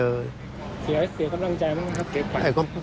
เสียคำนังใจมั้งครับเก็บขวัญ